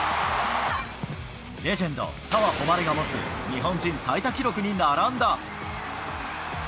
レジェンド、澤穂希が持つ日本人最多記録に並んだ。